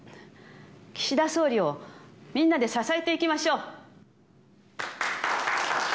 岸田総理をみんなで支えていきましょう。